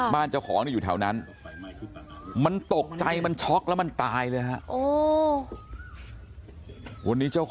เจ้าของนี่อยู่แถวนั้นมันตกใจมันช็อกแล้วมันตายเลยฮะ